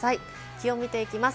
気温を見ていきます。